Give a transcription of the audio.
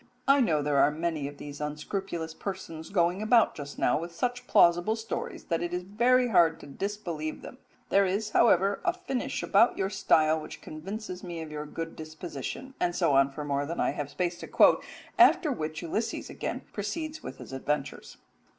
I know there are many of these unscrupulous persons going about just now with such plausible stories that it is very hard to disbelieve them; there is, however, a finish about your style which convinces me of your good disposition," and so on for more than I have space to quote; after which Ulysses again proceeds with his adventures.